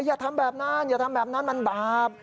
อย่าทำแบบนั้นอย่าทำแบบนั้นมันบาป